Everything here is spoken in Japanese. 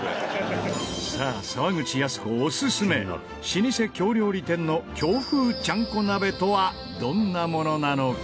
さあ沢口靖子オススメ老舗京料理店の京風ちゃんこ鍋とはどんなものなのか？